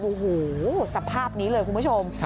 โอ้โหสภาพนี้เลยคุณผู้ชม